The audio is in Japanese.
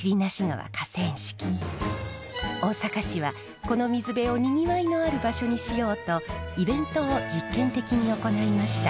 大阪市はこの水辺をにぎわいのある場所にしようとイベントを実験的に行いました。